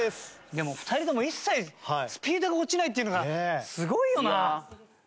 でも２人とも一切スピードが落ちないっていうのがすごいよな。